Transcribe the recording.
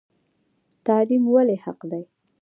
تعلیم ولې حق دی؟